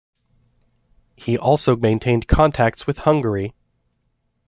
He also maintained contacts with Hungary.